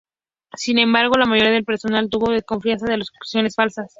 Sin embargo, la mayoría del personal tuvo desconfianza a las acusaciones falsas.